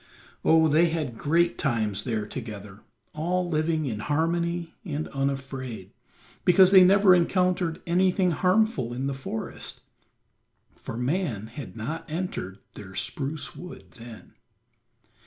Oh, they had great times there together, all living in harmony and unafraid, because they never encountered anything harmful in the forest, for man had not entered their spruce wood then.